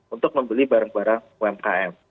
untuk membeli barang barang umkm